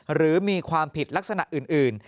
หรือมีความผิดลักษณะอื่น